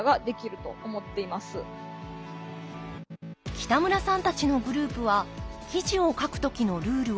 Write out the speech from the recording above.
北村さんたちのグループは記事を書く時のルールを設けています。